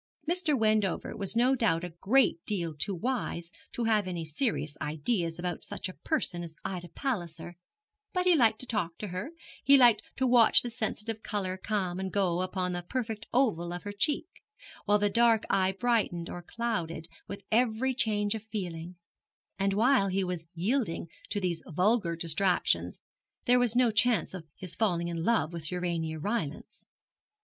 Mr. Wendover was no doubt a great deal too wise to have any serious ideas about such a person as Ida Palliser; but he liked to talk to her, he liked to watch the sensitive colour come and go upon the perfect oval of her cheek, while the dark eye brightened or clouded with every change of feeling; and while he was yielding to these vulgar distractions there was no chance of his falling in love with Urania Rylance.